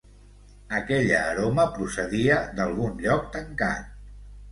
Aquella aroma procedia d’algun lloc tancat.